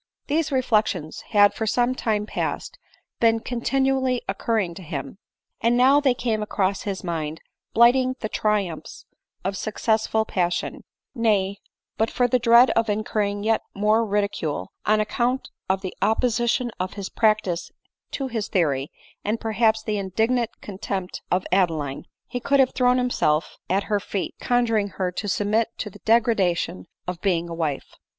These reflections had for some time past been continually occurring to him, and now they came across his mind blighting the tri umphs of successful passion ; nay, but for the dread of incurring yet more ridicule, on account of the opposition of his practice to his theory, and perhaps the indignant contempt of Adeline, he could have thrown himself at ADELINE MOWBRAY. 45 her feet, conjuring her to submit to the degradation of being a wife.